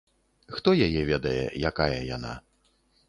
Хто яе ведае, якая яна.